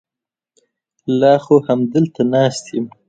لا خو همدلته ناست یم.